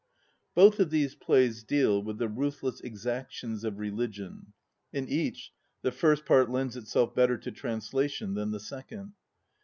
BOTH of these plays deal with the ruthless exactions of religion; in each the first part lends itself better to translation than the second.